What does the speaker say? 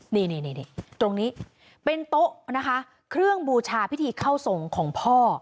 นี่ตรงนี้เป็นโต๊ะนะคะเครื่องบูชาพิธีเข้าทรงของพ่อ